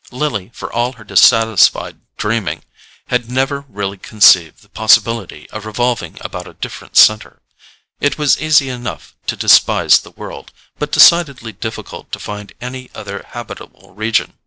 Lily, for all her dissatisfied dreaming, had never really conceived the possibility of revolving about a different centre: it was easy enough to despise the world, but decidedly difficult to find any other habitable region.